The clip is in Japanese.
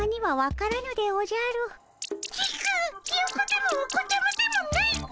キーくんヒヨコでもお子ちゃまでもないっピ！